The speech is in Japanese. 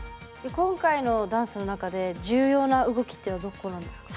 今回のダンスの中で重要な動きっていうのはどこなんですか？